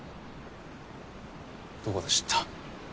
どこで知った？